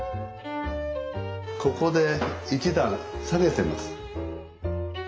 ここで一段下げてます。